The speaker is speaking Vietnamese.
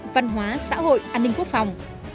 văn hóa xã hội an ninh quốc phòng